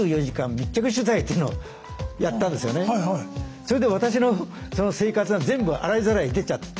それで私のその生活が全部洗いざらい出ちゃって。